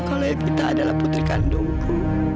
kalau kita adalah putri kandungku